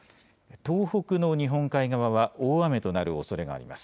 東北の日本海側は大雨となるおそれがあります。